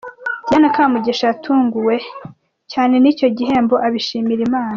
Diana Kamugisha yatunguwe cyane n'icyo gihembo abishimira Imana.